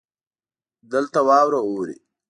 دلته واوره اوري.